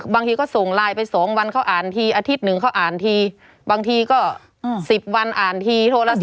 บางทีก็ส่งไลน์ไป๒วันเขาอ่านทีอาทิตย์หนึ่งเขาอ่านทีบางทีก็๑๐วันอ่านทีโทรศัพท์